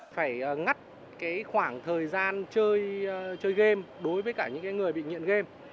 phải ngắt cái khoảng thời gian chơi game đối với cả những cái người bị nghiện game